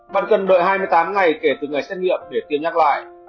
bạn cần đợi hai mươi tám ngày kể từ ngày xét nghiệm để tiêm nhắc lại